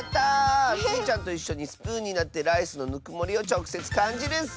スイちゃんといっしょにスプーンになってライスのぬくもりをちょくせつかんじるッス！